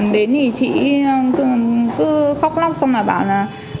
đến thì chị cứ khóc lắm xong là bảo là